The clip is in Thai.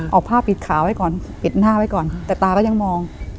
เอาผ้าปิดขาวไว้ก่อนปิดหน้าไว้ก่อนแต่ตาก็ยังมอง